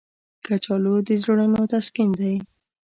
کچالو د زړونو تسکین دی